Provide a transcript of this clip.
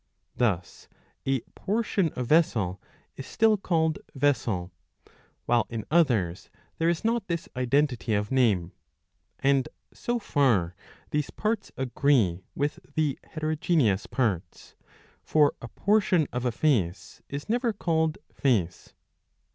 Thus a portion of vessel is still called vessel. While in others there is not this identity of name ; and so far these parts agree with the heterogeneous parts ; for a portion of a face is never called face.